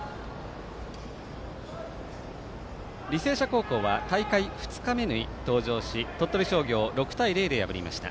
履正社高校は大会２日目に登場し鳥取商業を６対０で破りました。